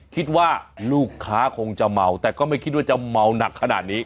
คิดว่าลูกค้าคงจะเมาแต่ก็ไม่คิดว่าจะเมาหนักขนาดนี้